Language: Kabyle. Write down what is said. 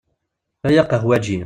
A yaqahwaǧi!